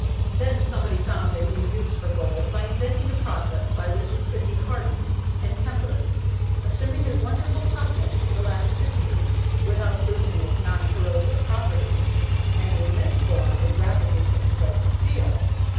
Then somebody found a new use for gold by inventing a process by which it could be hardened and tempered, assuming a wonderful toughness and elasticity without losing its non corrosive property, and in this form it rapidly took the place of steel.